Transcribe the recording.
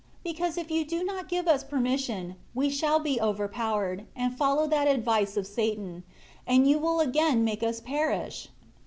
Because if you do not give us permission, we shall be overpowered, and follow that advice of Satan; and You will again make us perish.